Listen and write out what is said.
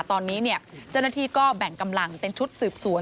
ตอนนี้เจ้าหน้าที่ก็แบ่งกำลังเป็นชุดสืบสวน